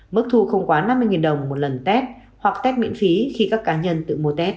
mức thu không quá năm mươi đồng một lần tét hoặc test miễn phí khi các cá nhân tự mua tết